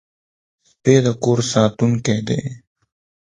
سپي د کور ساتونکي دي.